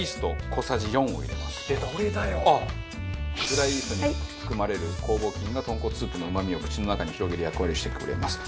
ドライイーストに含まれる酵母菌が豚骨スープのうま味を口の中に広げる役割をしてくれますと。